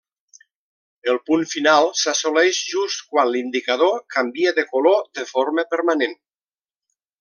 El punt final s'assoleix just quan l'indicador canvia de color de forma permanent.